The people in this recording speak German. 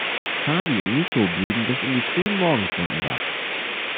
Fabi und Niko blieben bis in die frühen Morgenstunden wach.